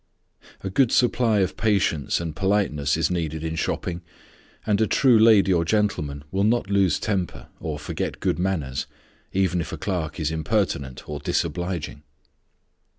A good supply of patience and politeness is needed in shopping, and a true lady or gentleman will not lose temper or forget good manners, even if a clerk is impertinent or disobliging.